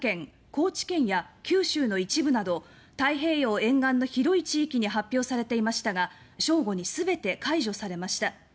高知県や九州の一部など太平洋沿岸の広い地域に発表されていましたが正午にすべて解除されました。